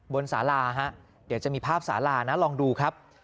สาราฮะเดี๋ยวจะมีภาพสาลานะลองดูครับ